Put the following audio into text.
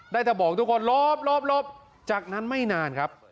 ได้แต่บอกทุกคนลบจากนั้นไม่นานครับ